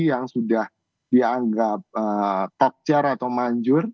yang sudah dianggap top tier atau manjur